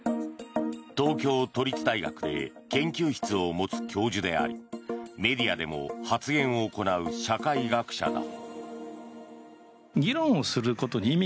東京都立大学で研究室を持つ教授でありメディアでも発言を行う社会学者だ。